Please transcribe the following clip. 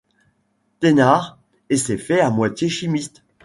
Thénard, et s’est fait à moitié chimiste.